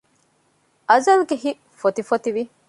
އަޒަލްގެ ހިތް ފޮތިފޮތިވި